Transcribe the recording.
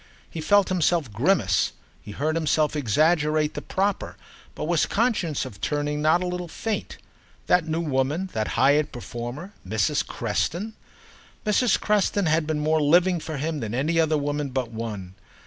He felt himself grimace, he heard himself exaggerate the proper, but was conscious of turning not a little faint. That new woman, that hired performer, Mrs. Creston? Mrs. Creston had been more living for him than any woman but one.